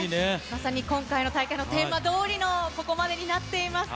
まさに今回の大会のテーマどおりの、ここまでになっています。